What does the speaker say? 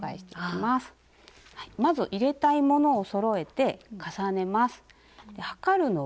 まず入れたいものをそろえて重ねます。